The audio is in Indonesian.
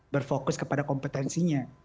berfokus kepada kompetensinya